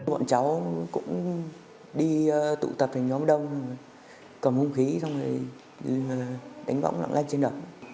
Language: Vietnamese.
bọn cháu cũng đi tụ tập thành nhóm đông cầm hung khí xong rồi đánh bóng lặng lanh trên đất